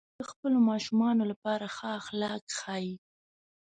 نیکه د خپلو ماشومانو لپاره ښه اخلاق ښيي.